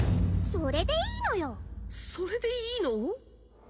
それでいいのよそれでいいの？